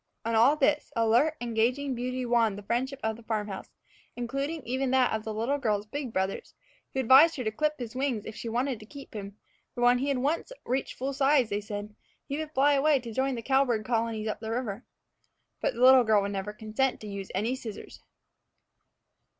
And all this alert, engaging beauty won the friendship of the farm house, including even that of the little girl's big brothers, who advised her to clip his wings if she wanted to keep him; for when he had once reached full size, they said, he would fly away to join the cowbird colonies up the river. But the little girl would never consent to any use of the scissors.